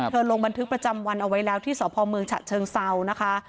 ลงบันทึกประจำวันเอาไว้แล้วที่สพเมืองฉะเชิงเซานะคะ